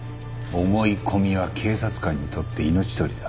思い込みは警察官にとって命取りだ。